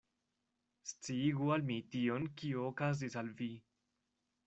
Sciigu al mi tion, kio okazis al vi.